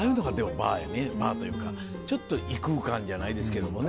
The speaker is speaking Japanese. バーというかちょっと異空間じゃないですけどもね。